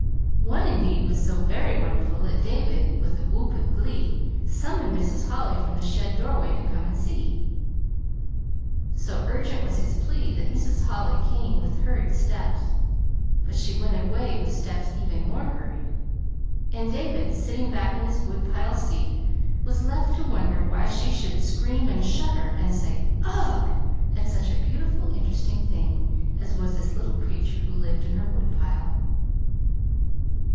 One, indeed, was so very wonderful that David, with a whoop of glee, summoned Mrs. Holly from the shed doorway to come and see. So urgent was his plea that Mrs. Holly came with hurried steps but she went away with steps even more hurried; and David, sitting back on his woodpile seat, was left to wonder why she should scream and shudder and say "Ugh h h!" at such a beautiful, interesting thing as was this little creature who lived in her woodpile.